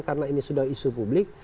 karena ini sudah isu publik